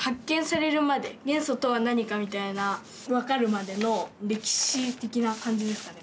元素とは何かみたいな分かるまでの歴史的な感じですかね